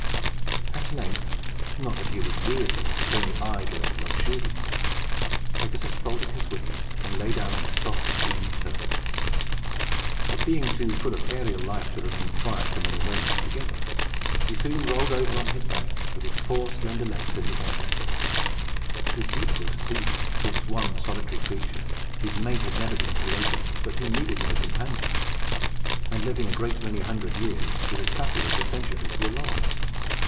At length not that he was weary, but only idle and luxurious Pegasus folded his wings, and lay down on the soft green turf. But, being too full of aerial life to remain quiet for many moments together, he soon rolled over on his back, with his four slender legs in the air. It was beautiful to see him, this one solitary creature, whose mate had never been created, but who needed no companion, and, living a great many hundred years, was as happy as the centuries were long.